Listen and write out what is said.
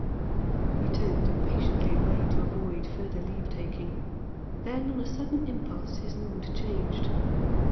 He turned impatiently away to avoid further leave taking then, on a sudden impulse, his mood changed.